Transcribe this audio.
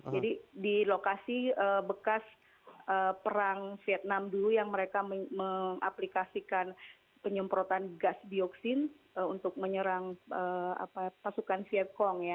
jadi di lokasi bekas perang vietnam dulu yang mereka mengaplikasikan penyemprotan gas dioksin untuk menyerang pasukan vietcong ya